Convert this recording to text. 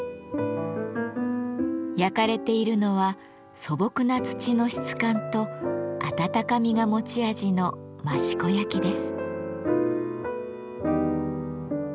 焼かれているのは素朴な土の質感と温かみが持ち味の益子焼です。